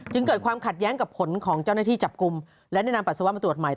เกิดความขัดแย้งกับผลของเจ้าหน้าที่จับกลุ่มและแนะนำปัสสาวะมาตรวจใหม่